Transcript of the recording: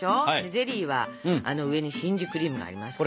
ゼリーはあの上にしんじゅクリームがありますから。